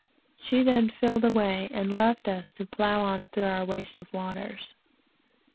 She then filled away and left us to plough on through our waste of waters.